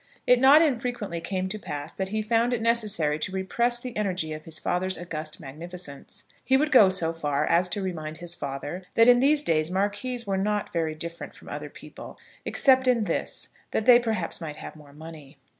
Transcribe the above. It not unfrequently came to pass that he found it necessary to repress the energy of his father's august magnificence. He would go so far as to remind his father that in these days marquises were not very different from other people, except in this, that they perhaps might have more money.